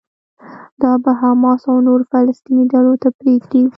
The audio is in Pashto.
دا به حماس او نورو فلسطيني ډلو ته پرېږدي.